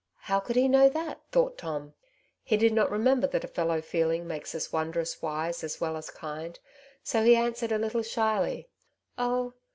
" How could he know that ?" thought Tom. He did not remember that a fellow feeling makes us wondrous wise as well as kind, so he answered a little shyly,— '' Oh